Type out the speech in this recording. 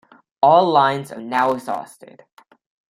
All lines are now exhausted.